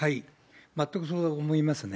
全くそう思いますね。